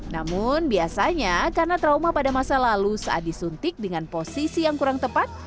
namun biasanya karena trauma pada masa lalu saat disuntik dengan posisi yang kurang tepat